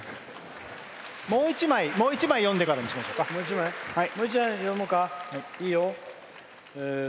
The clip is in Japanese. もう一枚読んでからにしましょうか。